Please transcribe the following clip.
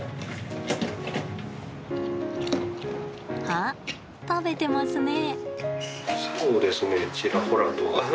あ、食べてますね。